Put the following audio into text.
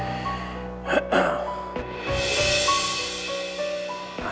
artinya ny ny dapet ama apa